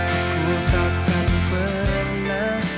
aku takkan pernah